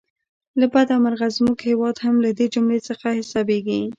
له بده مرغه زموږ هیواد هم له دې جملې څخه حسابېږي.